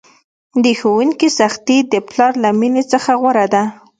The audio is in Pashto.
د ښوونکي سختي د پلار له میني څخه غوره ده!